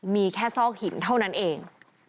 มีแค่ซอกหินเท่านั้นเอง